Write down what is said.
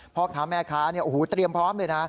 พ่อค้าแม่ค้าเตรียมพร้อมเลยนะ